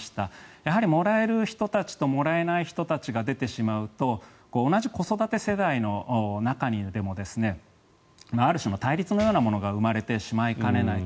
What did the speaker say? やはりもらえる人たちともらえない人たちが出てしまうと同じ子育て世代の中にでもある種の対立のようなものが生まれてしまいかねないと。